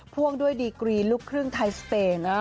พ่วงด้วยดีกรีลูกครึ่งไทยสเปน